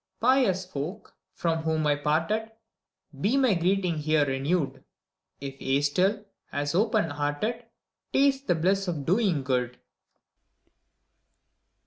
Pious folk, from whom I parted ! Be my greeting here renewed. If ye still, as open hearted, Taste the bliss of doing good!